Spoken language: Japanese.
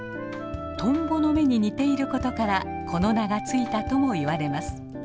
トンボの目に似ていることからこの名がついたともいわれます。